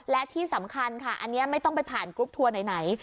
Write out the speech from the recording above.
และที่สำคัญค่ะอันนี้ไม่ต้องไปผ่านกรุ๊ปทัวร์ไหน